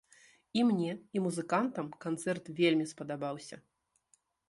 І мне, і музыкантам канцэрт вельмі спадабаўся!